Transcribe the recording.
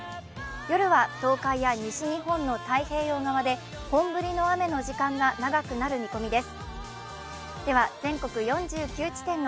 夜は東海や西日本の太平洋側で本降りの雨の時間が長くなる見込みです。